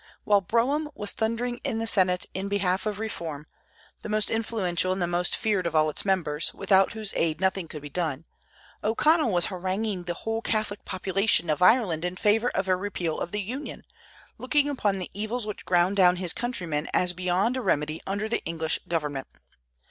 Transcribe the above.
While Brougham was thundering in the senate in behalf of reform, the most influential and the most feared of all its members, without whose aid nothing could be done, O'Connell was haranguing the whole Catholic population of Ireland in favor of a repeal of the Union, looking upon the evils which ground down his countrymen as beyond a remedy under the English government.